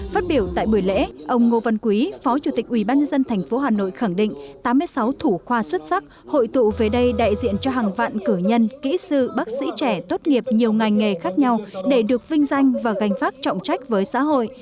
phát biểu tại buổi lễ ông ngô văn quý phó chủ tịch ubnd tp hà nội khẳng định tám mươi sáu thủ khoa xuất sắc hội tụ về đây đại diện cho hàng vạn cử nhân kỹ sư bác sĩ trẻ tốt nghiệp nhiều ngành nghề khác nhau để được vinh danh và gành pháp trọng trách với xã hội